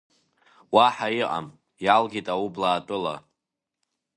Уаҳа иҟам, иалгеит Аублаатәыла!